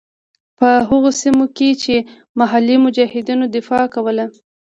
په هغو سیمو کې چې محلي مجاهدینو دفاع کوله.